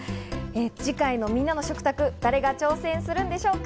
次回のみんなの食卓は誰が挑戦してくれるんでしょうか。